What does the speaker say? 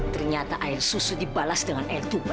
ternyata air susu dibalas dengan air tuba